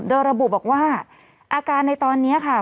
โดยระบุบอกว่าอาการในตอนนี้ค่ะ